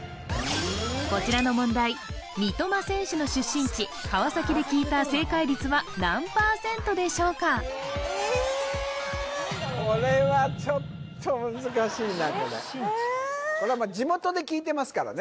こちらの問題三とま選手の出身地川崎で聞いた正解率は何％でしょうかこれはちょっと難しいなこれえっこれはまあ地元で聞いてますからね